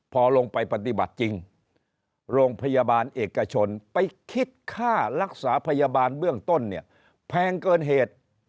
พอลงไปปฏิบัติจริงโรงพยาบาลเอกชนไปคิดค่ารักษาพยาบาลเบื้องต้นเนี่ยแพงเกินเหตุ